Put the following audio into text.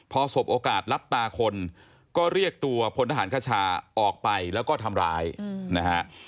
พอสบโอกาสรับตาคนก็เรียกตัวพลทหารคชาออกไปแล้วก็ทำร้ายนะฮะ